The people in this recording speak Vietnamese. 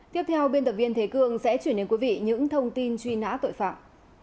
tiếp theo biên tập viên thế cương sẽ chuyển đến quý vị những thông tin truy nã tội phạm